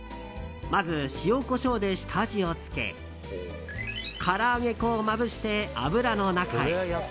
まず塩、コショウで下味をつけから揚げ粉をまぶして油の中へ。